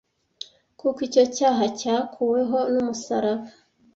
kuko icyo cyaha cyakuweho n’umusaraba